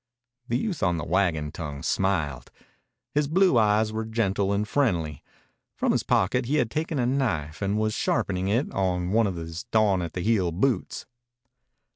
The youth on the wagon tongue smiled. His blue eyes were gentle and friendly. From his pocket he had taken a knife and was sharpening it on one of his dawn at the heel boots.